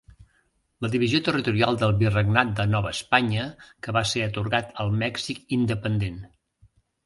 La divisió territorial del virregnat de Nova Espanya que va ser atorgat al Mèxic independent.